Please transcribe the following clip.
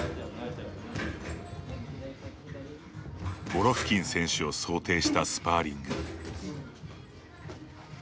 ゴロフキン選手を想定したスパーリング。